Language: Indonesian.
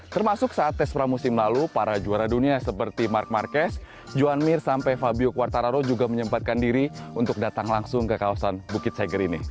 termasuk saat tes pramusim lalu para juara dunia seperti mark marquez johan mir sampai fabio quartararo juga menyempatkan diri untuk datang langsung ke kawasan bukit seger ini